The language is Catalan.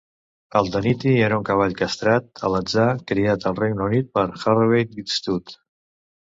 Aldaniti era un cavall castrat alatzà criat al Regne Unit per Harrowgate Stud.